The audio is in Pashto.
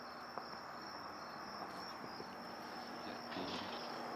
تعلیم لرونکې میندې د ماشومانو د ناروغۍ نښې ژر پېژني.